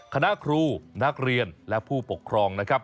คณะครูนักเรียนและผู้ปกครองนะครับ